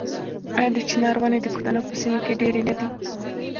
آیا د چنار ونې د پښتنو په سیمو کې ډیرې نه دي؟